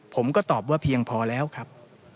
ผมก็ตอบว่าเพียงพอแล้วครับ